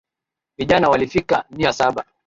Vijana walifika mia saba